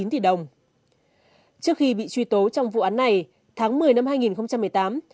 trước khi bị truy tố trong vụ án này tháng một mươi năm hai nghìn một mươi tám